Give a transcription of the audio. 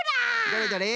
どれどれ？